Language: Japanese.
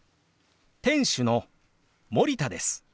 店主の森田です。